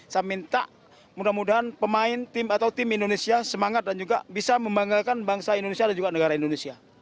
saya minta mudah mudahan pemain tim atau tim indonesia semangat dan juga bisa membanggakan bangsa indonesia dan juga negara indonesia